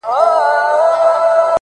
ستا د سترگو جام مي د زړه ور مات كـړ.!